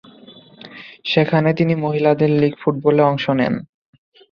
সেখানে তিনি মহিলাদের লীগ ফুটবলে অংশ নেন।